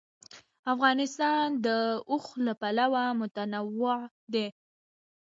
افغانستان د اوښ له پلوه متنوع دی.